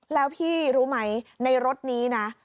แล้วพี่รู้ไหมในรถนี้นะ